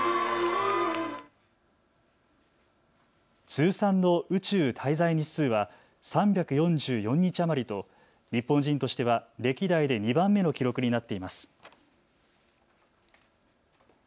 通算の宇宙滞在日数は３４４日余りと日本人としては歴代で２番目の記録になっています。